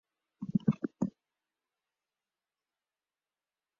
He was educated by the Christian Brothers in Dublin.